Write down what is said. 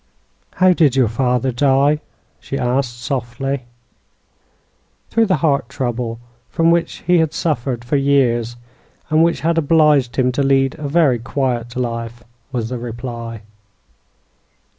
"How did your father die?" she asked, softly. "Through a heart trouble, from which he had suffered for years, and which had obliged him to lead a very quiet life," was the reply.